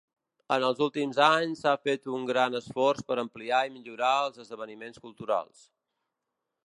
En els últims anys, s'ha fet un gran esforç per ampliar i millorar els esdeveniments culturals.